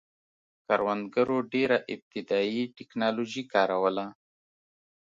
کروندګرو ډېره ابتدايي ټکنالوژي کاروله